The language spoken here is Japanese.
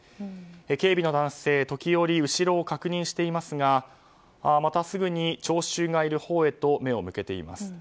警備の男性、時折後ろを確認していますがまたすぐに聴衆がいるほうへと目を向けています。